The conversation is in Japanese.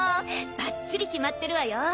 ばっちり決まってるわよ。